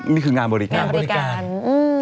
นี่คืองานบริการ